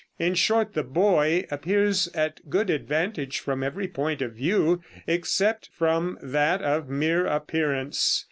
In short, the boy appears at good advantage from every point of view, except from that of mere appearance.